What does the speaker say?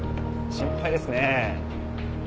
心配ですねぇ。